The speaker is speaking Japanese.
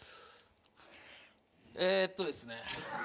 えーとですね。